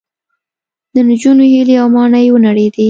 د نجونو هیلې او ماڼۍ ونړېدې